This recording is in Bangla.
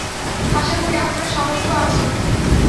আশা করি আপনার সামর্থ্য আছে।